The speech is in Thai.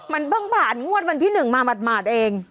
มันเพิ่งผ่านงวดวันที่๑มาหมาดเอง